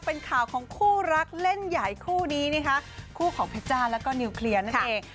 เป็นข่าวของคู่รักเล่นใหญ่คู่นี้นะคะคู่ของเพชจ้าแล้วก็นิวเคลียร์นั่นเอง